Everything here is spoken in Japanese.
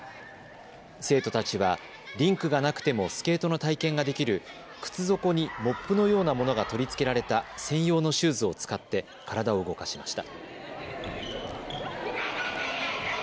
生徒たちはリンクがなくてもスケートの体験ができる靴底にモップのようなものが取り付けられた専用のシューズを使って体を動かしました。